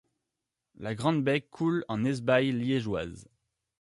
La Grande Bek coule en Hesbaye liégeoise.